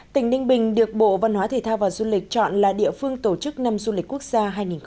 tỉnh ninh bình được bộ văn hóa thể thao và du lịch chọn là địa phương tổ chức năm du lịch quốc gia hai nghìn hai mươi bốn